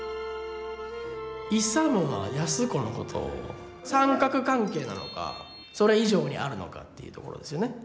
勇は安子のことを三角関係なのかそれ以上にあるのかっていうところですよね。